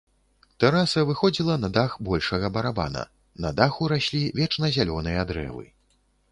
Тэраса выходзіла на дах большага барабана, на даху раслі вечназялёныя дрэвы.